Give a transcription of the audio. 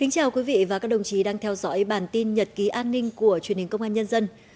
chào mừng quý vị đến với bản tin nhật ký an ninh của truyền hình công an nhân dân